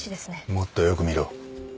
もっとよく見ろ。